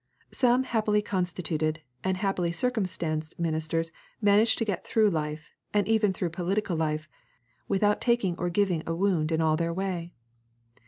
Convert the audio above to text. Some happily constituted and happily circumstanced ministers manage to get through life, and even through political life, without taking or giving a wound in all their way.